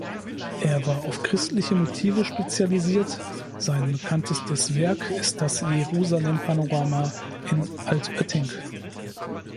Er war auf christliche Motive spezialisiert; sein bekanntestes Werk ist das "Jerusalem-Panorama" in Altötting.